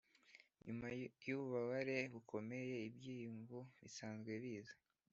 nyuma yububabare bukomeye ibyiyumvo bisanzwe biza--